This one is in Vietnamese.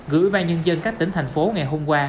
gửi ubnd các tỉnh thành phố ngày hôm qua